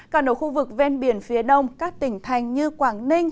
cả nổi khu vực ven biển phía đông các tỉnh thành như quảng ninh